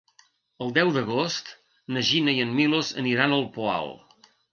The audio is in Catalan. El deu d'agost na Gina i en Milos aniran al Poal.